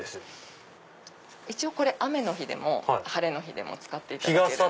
一応雨の日でも晴れの日でも使っていただける。